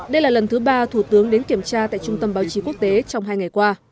đây là lần thứ ba thủ tướng đến kiểm tra tại trung tâm báo chí quốc tế trong hai ngày qua